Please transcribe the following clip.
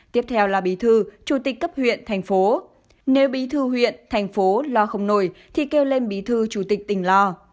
tiếp theo là bí thư chủ tịch cấp huyện thành phố nếu bí thư huyện thành phố lo không nổi thì kêu lên bí thư chủ tịch tỉnh lo